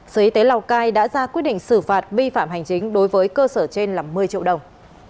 sở y tế lào cai đã ra quyết định xử phạt vi phạm hành chính đối với cơ sở trên là một mươi triệu đồng